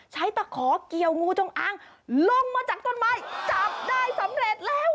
ตะขอเกี่ยวงูจงอางลงมาจากต้นไม้จับได้สำเร็จแล้ว